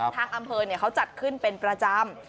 ทางอำเภอเขาจัดขึ้นเป็นประจำ